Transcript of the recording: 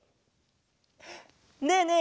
ねえねえ